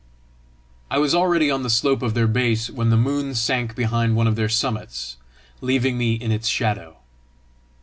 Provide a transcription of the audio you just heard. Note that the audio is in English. I was already on the slope of their base, when the moon sank behind one of their summits, leaving me in its shadow.